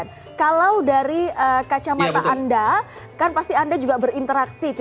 mas abdur kita tahu juga bahwa sudan ini warganya mayoritas adalah muslim